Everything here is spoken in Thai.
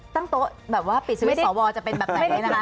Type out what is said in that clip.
ตั้งโต๊ะแบบว่าปิดสวิตช์สวจะเป็นแบบไหนนะคะ